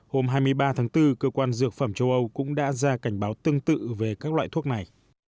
hôm hai mươi ba tháng bốn cơ quan dược phẩm châu âu cũng đã ra cảnh báo tương tự về các loại thuốc này